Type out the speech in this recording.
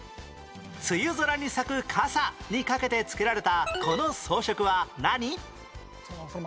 梅雨空に咲く傘にかけて付けられたこの装飾は何？